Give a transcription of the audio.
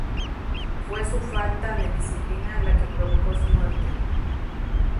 Fue su falta de disciplina la que provocó su muerte""